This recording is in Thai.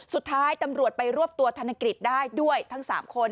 สุดท้ายตำรวจไปรวบตัวธนกฤษได้ด้วยทั้ง๓คน